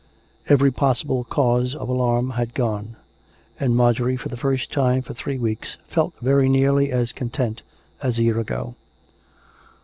Every possible cause of alarm had gone; and Marjorie, for the first time for three weeks, felt very nearly as con tent as a year ago.